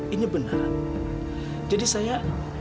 ini benar jadi saya